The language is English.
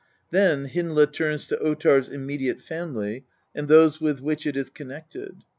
Then Hyndla turns to Ottar's immediate family, and those with which it is connected.